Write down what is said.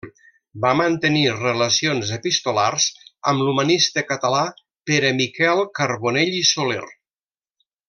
Va mantenir relacions epistolars amb l'humanista català Pere Miquel Carbonell i Soler.